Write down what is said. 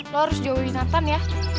lo harus jauhin nathan ya